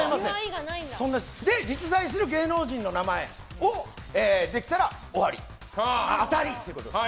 実在する芸能人の名前が出てきたら終わり当たりということです。